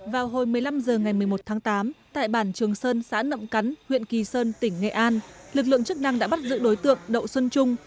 vào hồi một mươi năm h ngày một mươi một tháng tám tại bản trường sơn xã nậm cắn huyện kỳ sơn tỉnh nghệ an lực lượng chức năng đã bắt giữ đối tượng đậu xuân trung